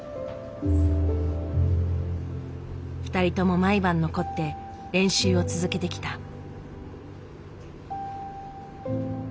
２人とも毎晩残って練習を続けてきた。